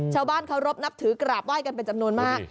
ชาวบ้านเคารพนับถือกราบไห้กันเป็นจำนวนมาก